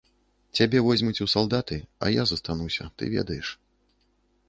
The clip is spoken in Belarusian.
Цябе возьмуць у салдаты, а я застануся, ты ведаеш.